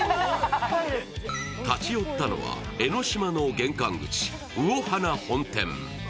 立ち寄ったのは江の島の玄関口、魚華本店。